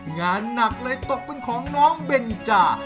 งานหนักเลยตกเป็นของน้องเบนจา